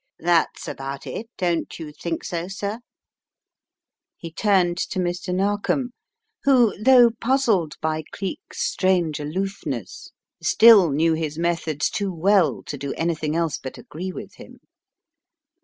That's about it, don't you think so, sir? " He turned Complications and Complexities 97 to Mr, Narkom, who, though puzzled by Cleek's strange aloofness, still knew his methods too well to do anything else but agree with him.